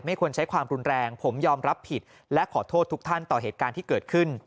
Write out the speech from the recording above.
ควรใช้ความรุนแรงผมยอมรับผิดและขอโทษทุกท่านต่อเหตุการณ์ที่เกิดขึ้น